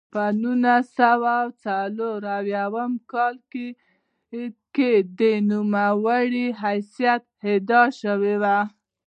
په نولس سوه څلور اویا کال کې د نوموړي حیثیت اعاده شو.